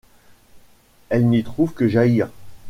Elle n'y trouve que Jair.